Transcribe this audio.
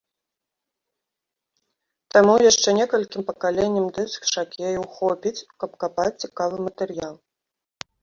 Таму яшчэ некалькім пакаленням дыск-жакеяў хопіць, каб капаць цікавы матэрыял.